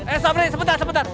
eh sabri sebentar sebentar